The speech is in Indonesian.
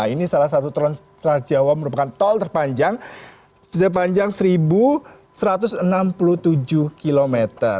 ini salah satu transjawa merupakan tol terpanjang sepanjang seribu satu ratus enam puluh tujuh km